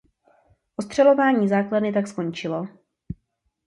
Ostřelování základny tak skončilo.